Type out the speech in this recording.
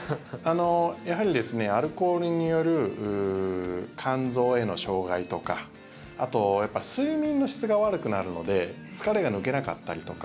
やはりアルコールによる肝臓への障害とかあと、睡眠の質が悪くなるので疲れが抜けなかったりとか。